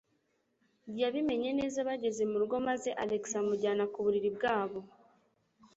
Yabimenye neza bageze murugo maze Alex amujyana ku buriri bwabo.